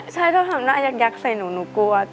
ใช่เพราะทำหน้ายักยักษ์ใส่หนูหนูกลัว